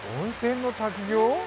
温泉の滝行？